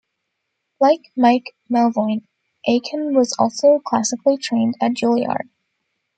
Like Mike Melvoin, Aken was also classically trained at Juilliard.